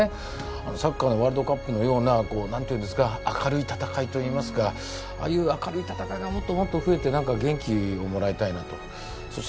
サッカーのワールドカップのような明るい戦いといいますか、ああいう明るい戦いがもっともっと増えて、元気をもらいたいなと。